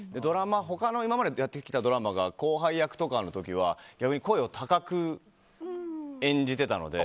他に今までにやってきたドラマで後輩役とかだと逆に声を高く演じていたので。